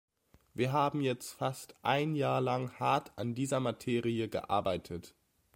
Wir haben jetzt fast ein Jahr lang hart an dieser Materie gearbeitet.